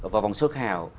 vào vòng sơ khảo